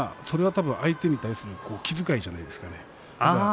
それは相手に対する気遣いではないですか？